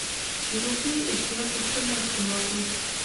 د هغو اختیار په خپل لاس کې واخیست.